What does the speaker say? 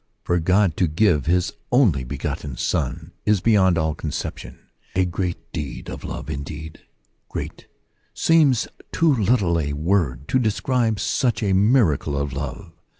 For God to give his Only '"^^ begotten Son is beyond all conception a great deecfc^^ of love : indeed, " great seems too little a word! to describe such a miracle of love.